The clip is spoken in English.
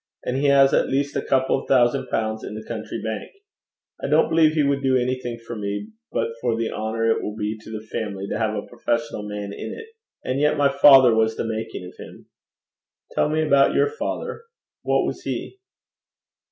And he has at least a couple of thousand pounds in the county bank. I don't believe he would do anything for me but for the honour it will be to the family to have a professional man in it. And yet my father was the making of him.' 'Tell me about your father. What was he?'